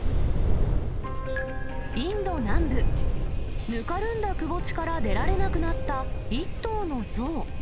インド南部、ぬかるんだくぼ地から出られなくなった１頭の象。